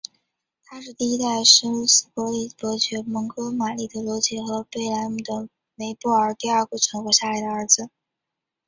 他是第一代什鲁斯伯里伯爵蒙哥马利的罗杰和贝莱姆的梅布尔第二个存活下来的儿子。